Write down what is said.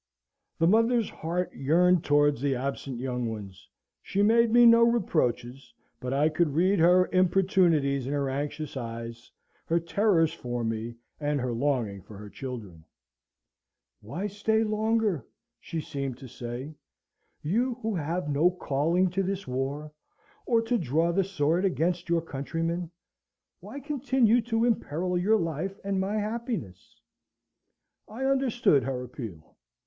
The mother's heart yearned towards the absent young ones. She made me no reproaches: but I could read her importunities in her anxious eyes, her terrors for me, and her longing for her children. "Why stay longer?" she seemed to say. "You who have no calling to this war, or to draw the sword against your countrymen why continue to imperil your life and my happiness?" I understood her appeal.